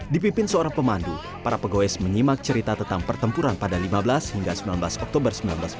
dipimpin seorang pemandu para pegoes menyimak cerita tentang pertempuran pada lima belas hingga sembilan belas oktober seribu sembilan ratus empat puluh